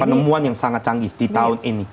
penemuan yang sangat canggih di tahun ini